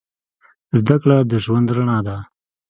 زدهکړه د ژوند رڼا ده